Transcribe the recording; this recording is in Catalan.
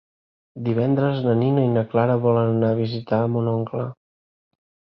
Divendres na Nina i na Clara volen anar a visitar mon oncle.